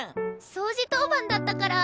掃除当番だったから。